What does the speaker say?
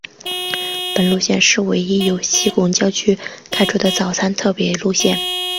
本路线是唯一由西贡郊区开出的早晨特别路线。